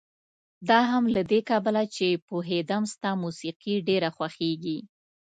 دا هم له دې کبله چې پوهېدم ستا موسيقي ډېره خوښېږي.